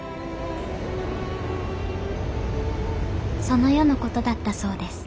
その夜の事だったそうです